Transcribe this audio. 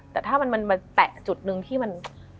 แต่ถ้ามันมาแตะจุดหนึ่งที่มัน